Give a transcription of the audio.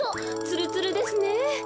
つるつるですね。